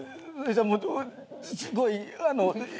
すごいあの。